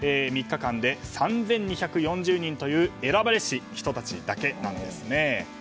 ３日間で３２４０人という選ばれし人たちだけなんです。